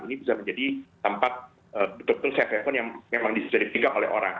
ini bisa menjadi tempat betul betul safe haven yang memang bisa dipegang oleh orang